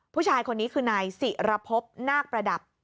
ผู้ชายคนนี้คือนายศิรพบนาคประดับ